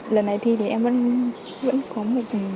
lần này thi thì em vẫn có một